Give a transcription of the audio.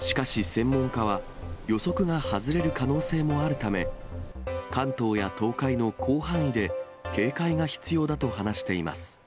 しかし専門家は、予測が外れる可能性もあるため、関東や東海の広範囲で警戒が必要だと話しています。